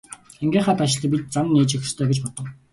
Ангийнхаа давшилтад бид зам нээж өгөх ёстой гэж бодов.